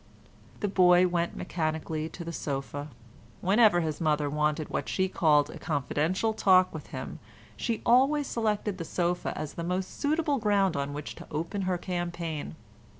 The boy went mechanically to the sofa. Whenever his mother wanted what she called a confidential talk with him she always selected the sofa as the most suitable ground on which to open her campaign.